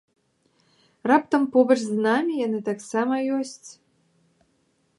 Раптам побач з намі яны таксама ёсць?